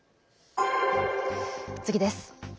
次です。